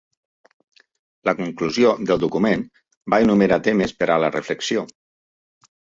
La conclusió del document va enumerar temes per a la reflexió.